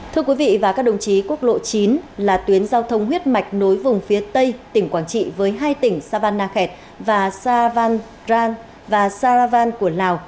thưa quý vị và các đồng chí quốc lộ chín là tuyến giao thông huyết mạch nối vùng phía tây tỉnh quảng trị với hai tỉnh saban nakhet và saravan của lào